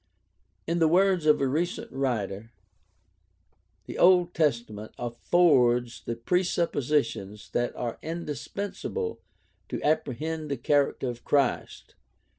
In the words of a recent writer : The Old Testament .... affords the presuppositions that are indispensable to apprehend the character of Christ.